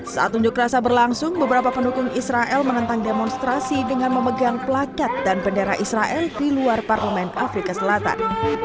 saat unjuk rasa berlangsung beberapa pendukung israel menentang demonstrasi dengan memegang pelakat dan bendera israel di luar parlemen afrika selatan